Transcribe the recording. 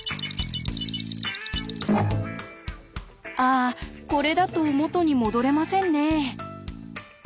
あこれだと元に戻れませんね。